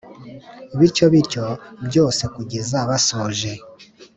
bityo bityo byose kugeza basoje.